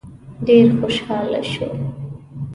ډېر خوشاله شو.